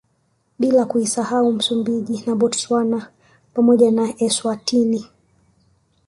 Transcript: Bila kuisahau Msumbiji na Botswana pamoja na Eswatini